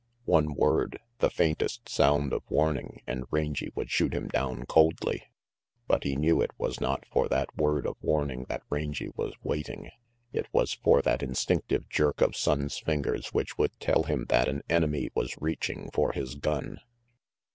One word, the faintest sound of warning, and Rangy would shoot him down coldly. But he knew it was not for that word of warning that Rangy was waiting. It was for that instinctive jerk of Sonnes' fingers which would tell him that an enemy was reaching for his gun.